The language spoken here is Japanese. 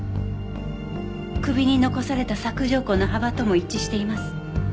首に残された索条痕の幅とも一致しています。